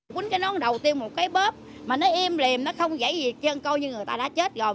quýnh cái nón đầu tiên một cái bóp mà nó im liềm nó không dãy gì chân coi như người ta đã chết rồi